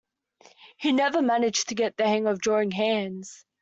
He never managed to get the hang of drawing hands.